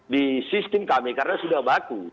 di sistem kami karena sudah baku